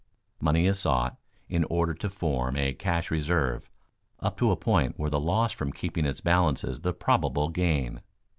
Money is sought, in order to form a cash reserve, up to a point where the loss from keeping it balances the probable gain.